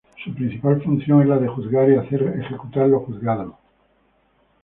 Su principal función es la de juzgar y hacer ejecutar lo juzgado.